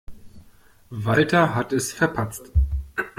Walter hat es verpatzt.